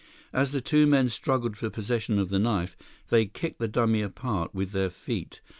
As the two men struggled for possession of the knife, they kicked the dummy apart with their feet.